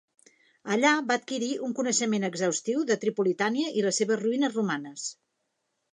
Allà va adquirir un coneixement exhaustiu de Tripolitania i les seves ruïnes romanes.